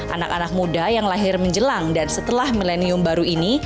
anak anak muda yang lahir menjelang dan setelah milenium baru ini